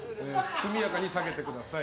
速やかに下げてください。